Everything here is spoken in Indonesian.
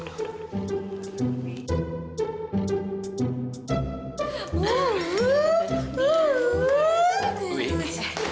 ini untuk kamu